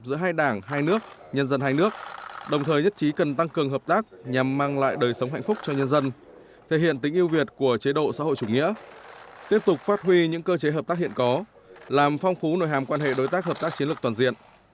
giữa hai đảng hai nước nhân dân hai nước đồng thời nhất trí cần tăng cường hợp tác nhằm mang lại đời sống hạnh phúc cho nhân dân thể hiện tính yêu việt của chế độ xã hội chủ nghĩa tiếp tục phát huy những cơ chế hợp tác hiện có làm phong phú nội hàm quan hệ đối tác hợp tác chiến lược toàn diện